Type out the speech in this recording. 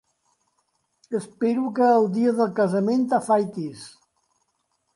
Espero que el dia del casament t'afaitis.